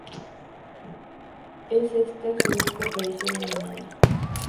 Es esta su única aparición animada.